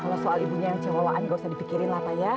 kalau soal ibunya yang cewek cewekan gak usah dipikirin lah pak ya